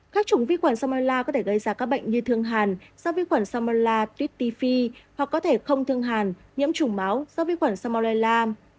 các trùng vi khuẩn salmonella có thể gây ra các bệnh như thương hẳn do vi khuẩn salmonella tuyết ti phi hoặc có thể không thương hẳn nhiễm trùng máu do vi khuẩn salmonella